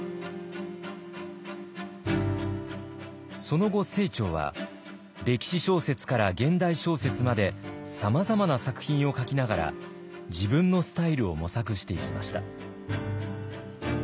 その後清張は歴史小説から現代小説までさまざまな作品を書きながら自分のスタイルを模索していきました。